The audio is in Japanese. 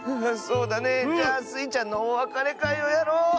あそうだね。じゃあスイちゃんのおわかれかいをやろう。